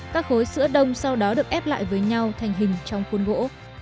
các khối sữa đông sau đó được ép lại với nhau thành hình trong khuôn gỗ